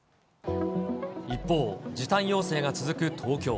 一方、時短要請が続く東京。